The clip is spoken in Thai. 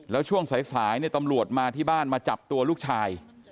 แล้วช่วงสายตำรวจมาที่บ้านมาจับตัวลูกชาย